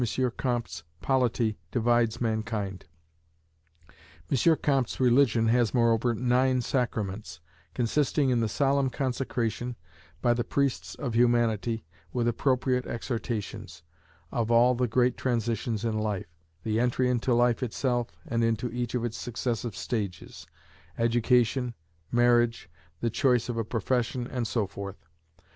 Comte's polity divides mankind. M. Comte's religion has, moreover, nine Sacraments; consisting in the solemn consecration, by the priests of Humanity, with appropriate exhortations, of all the great transitions in life; the entry into life itself, and into each of its successive stages: education, marriage, the choice of a profession, and so forth.